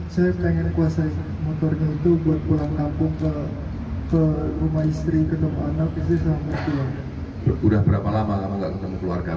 sudah berapa lama kamu tidak bertemu keluarga